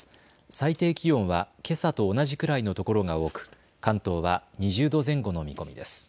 最低気温はけさと同じくらいのところが多く関東は２０度前後の見込みです。